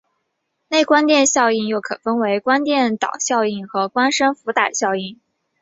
内光电效应又可分为光电导效应和光生伏打效应。